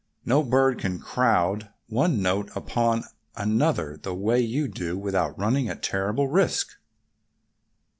"No bird can crowd one note upon another the way you do without running a terrible risk.